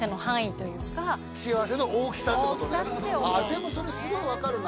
でもそれすごい分かるな。